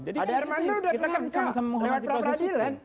jadi kita sama sama menghormati proses hukum